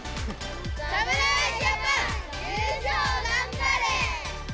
侍ジャパン、優勝頑張れ！